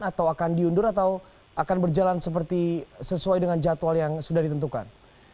atau akan diundur atau akan berjalan seperti sesuai dengan jadwal yang sudah ditentukan